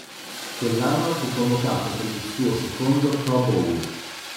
Quell'anno fu convocato per il suo secondo Pro Bowl.